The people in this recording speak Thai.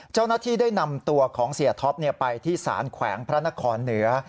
เจ้าหน้าที่ได้นำตัวของเสียท็อปไปที่สารแขวงพระนครเหนือ